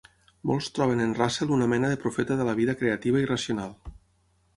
Molts troben en Russell una mena de profeta de la vida creativa i racional.